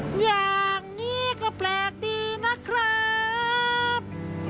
อย่างนี้ก็แปลกดีนะครับ